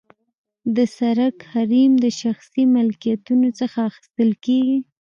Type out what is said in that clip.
د سرک حریم د شخصي ملکیتونو څخه اخیستل کیږي